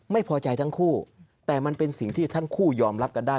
ไม่พอใจทั้งคู่แต่มันเป็นสิ่งที่ทั้งคู่ยอมรับกันได้